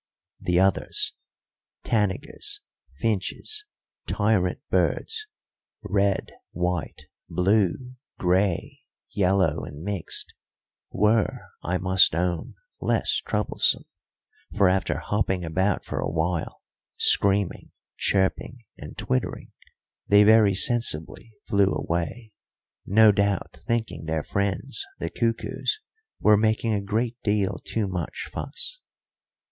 The others tanagers, finches, tyrant birds; red, white, blue, grey, yellow, and mixed were, I must own, less troublesome, for, after hopping about for a while, screaming, chirping, and twittering, they very sensibly flew away, no doubt thinking their friends the cuckoos were making a great deal too much fuss.